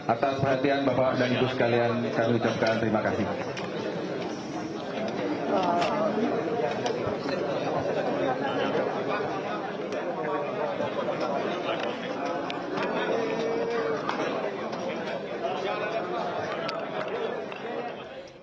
atas perhatian bapak dan ibu sekalian kami ucapkan terima kasih